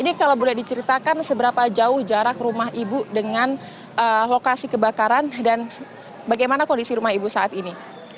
ini kalau boleh diceritakan seberapa jauh jarak rumah ibu dengan lokasi kebakaran dan bagaimana kondisi rumah ibu saat ini